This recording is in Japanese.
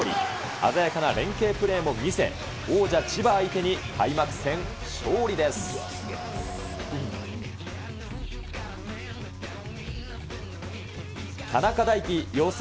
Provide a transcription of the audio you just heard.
鮮やかな連係プレーも見せ、王者、千葉相手に開幕戦勝利です。